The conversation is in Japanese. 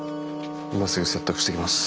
今すぐ説得してきます。